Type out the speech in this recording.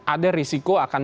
ada risiko akan